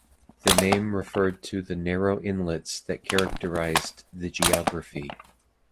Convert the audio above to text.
The name referred to the narrow inlets that characterized the geography.